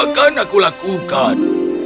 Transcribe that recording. akan aku lakukan